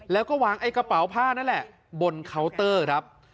แล้วก็วางไอ้กระเป๋าผ้านั่นแหละบนเคาน์เตอร์ครับ